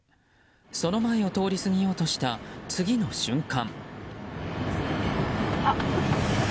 その前を通り過ぎようとした次の瞬間。